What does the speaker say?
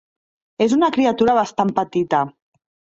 És una criatura bastant petita.